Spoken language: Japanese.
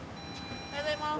おはようございます。